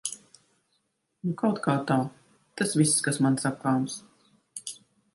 Nu kautkā tā. Tas viss, kas man sakāms.